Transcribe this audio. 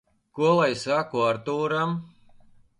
Ko lai saku Artūram?